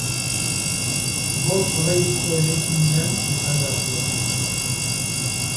Bost solairuko eraikinean izan da sua.